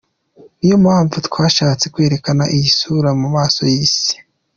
Niyo mpamvu twashatse kwerekana iyi sura mu maso y’Isi”.